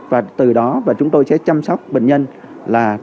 và từ đó và chúng tôi sẽ chăm sóc bệnh nhân là được tốt hơn